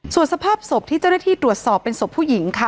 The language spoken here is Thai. ส่วนสภาพศพที่เจ้าหน้าที่ตรวจสอบเป็นศพผู้หญิงค่ะ